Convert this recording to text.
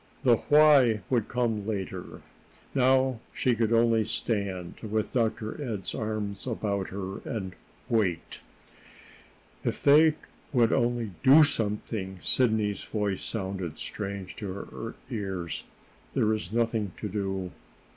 The why would come later. Now she could only stand, with Dr. Ed's arms about her, and wait. "If they would only do something!" Sidney's voice sounded strange to her ears. "There is nothing to do."